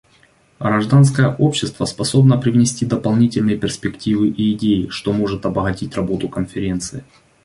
Гражданское общество способно привнести дополнительные перспективы и идеи, что может обогатить работу Конференции.